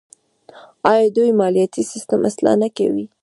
آیا دوی مالیاتي سیستم اصلاح نه کوي؟